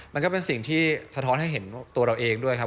มันก็เป็นสิ่งที่สะท้อนให้เห็นตัวเราเองด้วยครับ